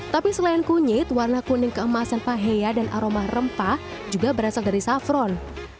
tapi selain kunyit warna kuning keemasan pahea dan aroma rempah juga berasal dari safron